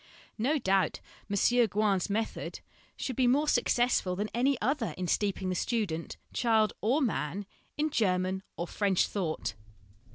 No doubt M. Gouin's method should be more successful than any other in steeping the student (child or man) in German or French thought.